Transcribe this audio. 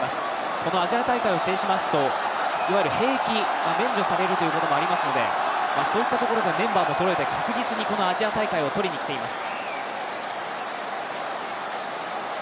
このアジア大会を制しますといわゆる兵役が免除されるということもありますのでそういったところでメンバーもそろえて、確実にこのアジア大会を取りに来ています。